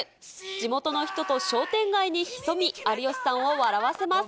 地元の人と商店街に潜み、有吉さんを笑わせます。